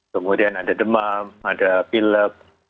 kemudian ada demam ada pilek